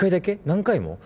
何回も？